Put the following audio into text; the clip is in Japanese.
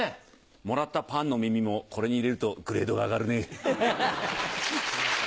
もらったパンの耳もこれに入れるとグレードが上がるね。